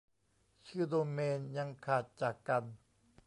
ชื่อโดเมนยังขาดจากกัน